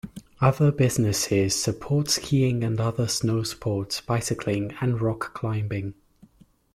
Other businesses support skiing and other snowsports, bicycling, and rock climbing.